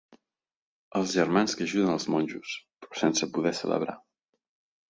Els germans que ajuden els monjos, però sense poder celebrar.